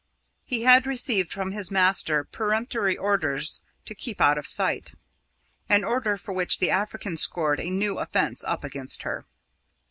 He had received from his master peremptory orders to keep out of sight an order for which the African scored a new offence up against her.